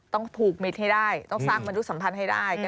ต้องผูกมิตรให้ได้ต้องสร้างมนุษยสัมพันธ์ให้ได้